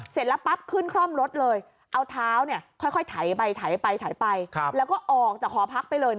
เสร็จแล้วปั๊บขึ้นคร่อมรถเลยเอาเท้าค่อยไถไปไถไปไถไปแล้วก็ออกจากหอพักไปเลย